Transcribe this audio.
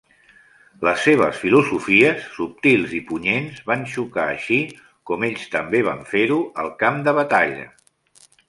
Les seves filosofies, subtils i punyents, van xocar així com ells també van fer-ho al camp de batalla.